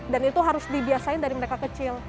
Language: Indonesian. dan itu harus dibiasain dari mereka kecil